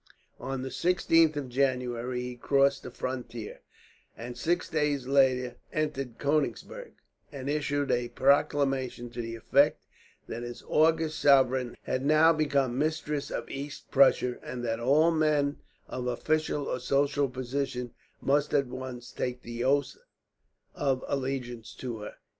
On the 16th of January he crossed the frontier, and six days later entered Koenigsberg and issued a proclamation to the effect that his august sovereign had now become mistress of East Prussia, and that all men of official or social position must at once take the oath of allegiance to her.